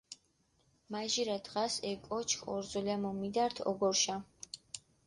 მაჟირა დღას ე კოჩქჷ ორზოლამო მიდართჷ ოგორჷშა.